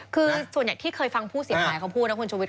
คือส่วนใหญ่ที่เคยฟังผู้สิทธิ์หายเขาพูดนะคุณชวนวิทย์